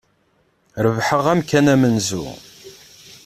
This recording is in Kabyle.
Rebḥeɣ amkan amenzu.